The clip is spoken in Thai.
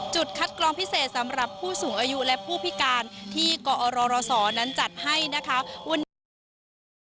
จุดคัดกรองพิเศษสำหรับผู้สูงอายุและผู้พิการที่กอรศนั้นจัดให้นะคะวันนี้เป็นวัน